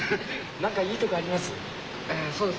何かいいとこあります？